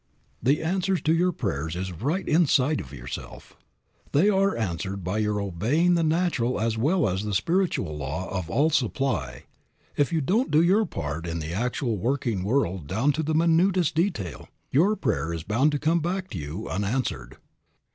'" The answer to your prayers is right inside of yourself. They are answered by your obeying the natural as well as the spiritual law of all supply. If you don't do your part in the actual working world down to the minutest detail your prayer is bound to come back to you unanswered.